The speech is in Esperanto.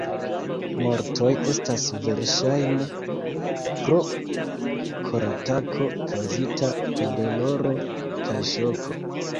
Mortoj estas verŝajne pro koratako kaŭzita de doloro kaj ŝoko.